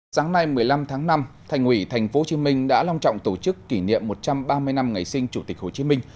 sáng nay một mươi năm tháng năm thành ủy tp hcm đã long trọng tổ chức kỷ niệm một trăm ba mươi năm ngày sinh chủ tịch hồ chí minh